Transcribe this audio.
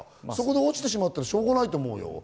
落ちてしまったらしょうがないと思うよ。